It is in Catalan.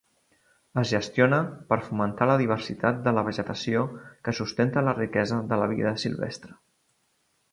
Es gestiona per fomentar la diversitat de la vegetació que sustenta la riquesa de la vida silvestre.